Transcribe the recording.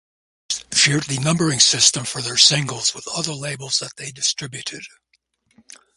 Smash shared the numbering system for their singles with other labels that they distributed.